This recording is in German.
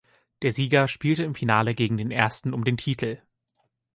Der Sieger spielte im Finale gegen den Ersten um den Titel.